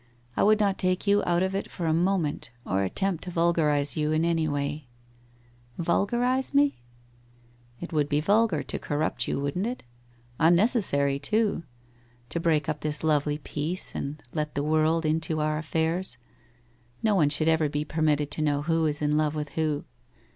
I would not take you out of it for a moment or attempt to vulgarize you in any way/ ' Vulgarize me ?'' It would be vulgar to corrupt you, wouldn't it? Un necessary, too! To break up this lovely peace and let the world into our affairs. No one should ever be per mitted to know who is in love with who.